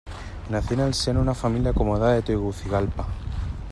Nació en el seno de una familia acomodada de Tegucigalpa.